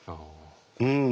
うん。